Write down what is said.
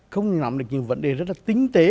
không nắm được những vấn đề rất là tinh tế